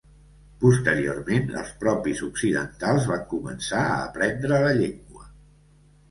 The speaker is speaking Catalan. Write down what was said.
Posteriorment, els propis occidentals van començar a aprendre la llengua.